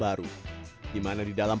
baik dari tingkat tertinggi atau tingkat kecil